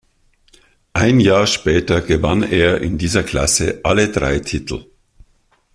Ein Jahr später gewann er in dieser Klasse alle drei Titel.